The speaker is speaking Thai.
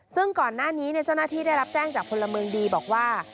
ซึ่งก่อนหน้านี้เจ้าหน้าที่ได้รับแจ้งจากพลเมืองดีบอกว่า